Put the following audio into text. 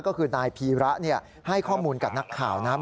ก็คือนายพีระให้ข้อมูลกับนักข่าวนะ